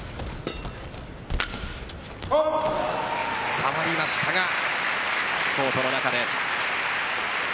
触りましたがコートの中です。